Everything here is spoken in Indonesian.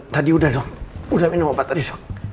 tadi udah dok